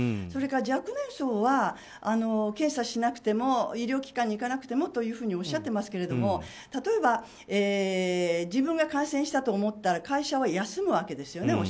それから若年層は検査しなくても医療機関に行かなくてもとおっしゃっていますが例えば自分が感染したと思ったら会社を休むわけですよね